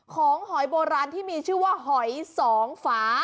หอยโบราณที่มีชื่อว่าหอยสองฝา